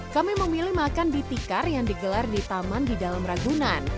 kami memilih makan di tikar yang digelar di taman di dalam ragunan